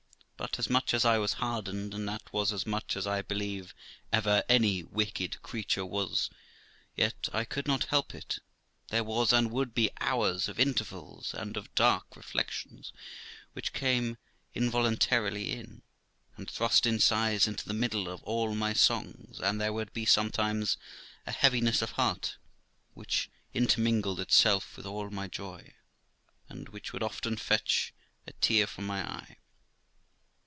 But, as much as I was hardened, and that was as much as I believe ever any wicked creature was, yet I could not help it, there was and would be hours of intervals and of dark reflections which came involuntarily in, and thrust in sighs into the middle of all my songs ; and there would be sometimes a heaviness of heart which intermingled itself with all my joy, and which would often fetch a tear from my eye.